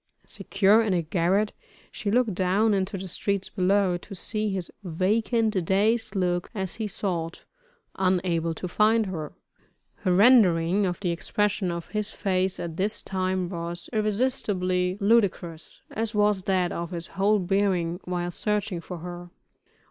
Secure in a garret, she looked down into the streets below, to see his vacant, dazed look as he sought, unable to find her. Her rendering of the expression of his face at this time, was irresistibly ludicrous, as was that of his whole bearing while searching for her.